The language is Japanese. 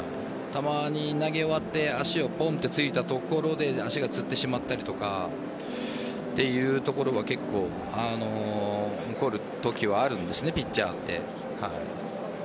たまに投げ終わって足をポンと着いたところ足がつってしまったりとかというところは結構起こるときはあるんですピッチャーは。